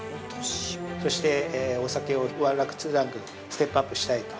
◆そしてお酒を１ランク２ランクステップアップしたいと。